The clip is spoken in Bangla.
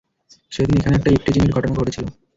সেদিন এখানে একটা ইভটিজিং এর ঘটনা ঘটেছিল।